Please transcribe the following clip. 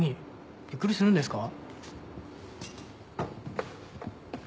びっくりするんですか？